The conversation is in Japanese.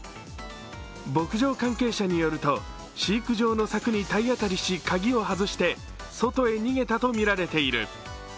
牧場関係者によると、飼育場のさくに体当たりして外へ逃げたとみられている。